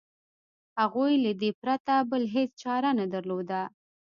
هغوی له دې پرته بله هېڅ چاره نه درلوده.